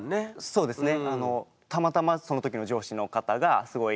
そうですね。